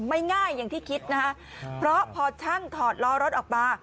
ไม่ง่ายอย่างที่คิดนะคะเพราะพอช่างถอดล้อรถออกมา